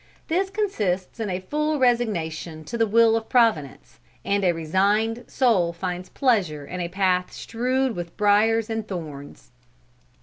This consists in a full resignation to the will of Providence; and a resigned soul finds pleasure in a path strewed with briers and thorns.'"